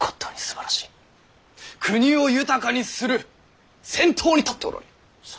国を豊かにする先頭に立っておられる。